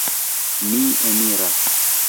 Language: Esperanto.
Ni eniras.